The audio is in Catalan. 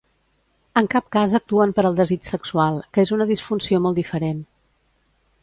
En cap cas actuen per al desig sexual, que és una disfunció molt diferent.